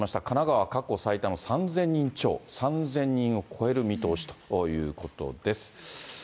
神奈川、過去最多の３０００人超、３０００人を超える見通しということです。